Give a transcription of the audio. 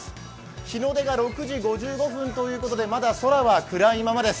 日の出が６時５５分ということで、まだ空は暗いままです。